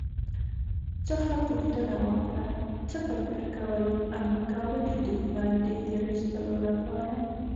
څخه پوښتنه وکړه «څه فکر کوئ، امریکا به د دښمن د تیرایستلو لپاره»